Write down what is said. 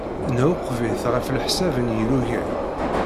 Nɛuqeb-it ɣef leḥsab n yilugan.